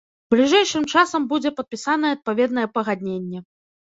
Бліжэйшым часам будзе падпісаная адпаведнае пагадненне.